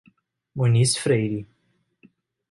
Muniz Freire